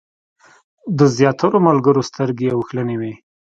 د زیاترو ملګرو سترګې اوښلنې وې.